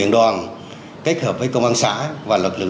đấy tặng nhà bà con